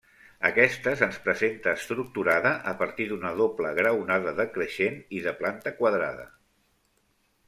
Aquesta se'ns presenta estructurada a partir d'una doble graonada decreixent i de planta quadrada.